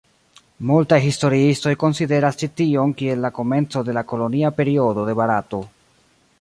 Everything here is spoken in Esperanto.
Multaj historiistoj konsideras ĉi tion kiel la komenco de la kolonia periodo de Barato.